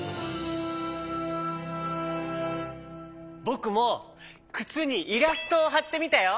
ぼくもくつにイラストをはってみたよ！